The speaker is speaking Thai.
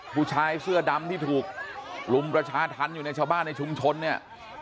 ผู้ชายเสื้อดำที่ถูกรุมประชาธรรมอยู่ในชาวบ้านในชุมชนเนี่ย